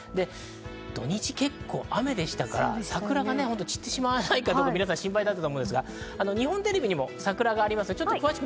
土日、結構雨でしたから、桜が散ってしまわないかと皆さん心配だったと思うんですが、日本テレビにも桜があります。